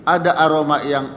ada aroma yang